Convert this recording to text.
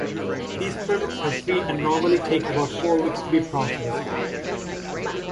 These permits are free and normally take about four weeks to be processed.